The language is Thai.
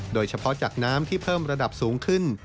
โดยเฉพาะจากน้ำที่เพิ่มระดับสูงขึ้น